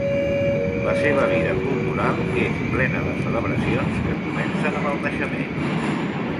La seva vida cultural és plena de celebracions, que comencen amb el naixement.